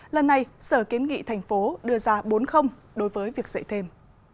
lần này sở kiến nghị tp hcm đưa ra bốn đối với việc dạy thêm